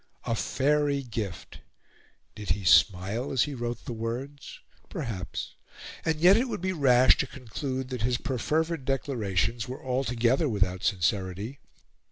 A Faery gift! Did he smile as he wrote the words? Perhaps; and yet it would be rash to conclude that his perfervid declarations were altogether without sincerity.